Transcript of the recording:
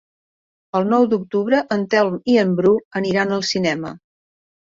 El nou d'octubre en Telm i en Bru aniran al cinema.